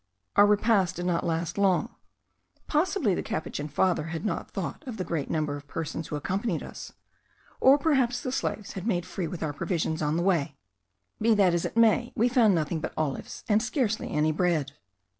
Our repast did not last long. Possibly the Capuchin father had not thought of the great number of persons who accompanied us, or perhaps the slaves had made free with our provisions on the way; be that as it may, we found nothing but olives, and scarcely any bread.